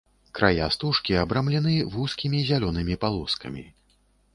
Края стужкі абрамлены вузкімі зялёнымі палоскамі.